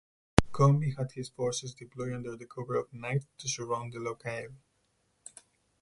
Kombe had his forces deploy under the cover of night to surround the locale.